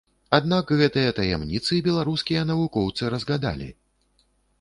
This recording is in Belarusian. Аднак гэтыя таямніцы беларускія навукоўцы разгадалі.